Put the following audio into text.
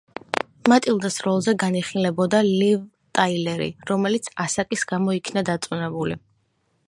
მატილდას როლზე განიხილებოდა ლივ ტაილერი, რომელიც ასაკის გამო იქნა დაწუნებული.